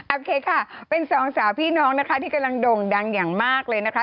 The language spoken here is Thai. โอเคค่ะเป็นสองสาวพี่น้องนะคะที่กำลังโด่งดังอย่างมากเลยนะคะ